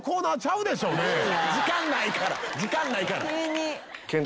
時間ないから時間ないから！